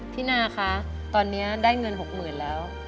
พี่นาค่ะตอนนี้ได้เงิน๖หมื่นแล้ว